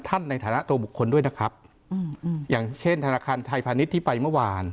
ในฐานะตัวบุคคลด้วยนะครับอืมอย่างเช่นธนาคารไทยพาณิชย์ที่ไปเมื่อวาน